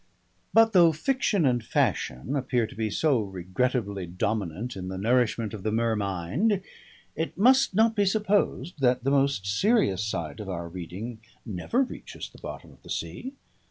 But though fiction and fashion appear to be so regrettably dominant in the nourishment of the mer mind, it must not be supposed that the most serious side of our reading never reaches the bottom of the sea.